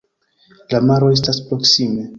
La maro estas proksime.